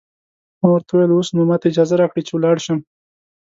ما ورته وویل: اوس نو ماته اجازه راکړئ چې ولاړ شم.